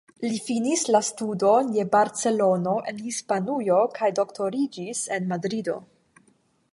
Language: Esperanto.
Li finis la studon je Barcelono en Hispanujo kaj doktoriĝis en Madrido.